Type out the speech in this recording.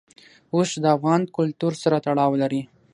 اوښ د افغان کلتور سره تړاو لري.